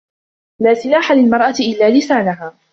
لا سلاح للمرأة إلا لسانها.